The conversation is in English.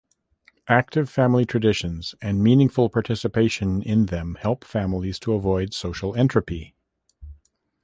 Active family traditions and meaningful participation in them help families to avoid social entropy.